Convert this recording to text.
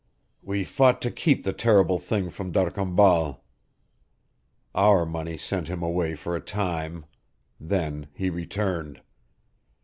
We fought to keep the terrible thing from D'Arcambal. Our money sent him away for a time. Then he returned.